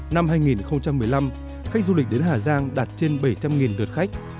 năm hai nghìn một mươi năm khách du lịch đến hà giang đạt trên bảy trăm linh đợt khách